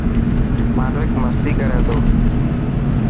مانوڪ مستي ڪر تو.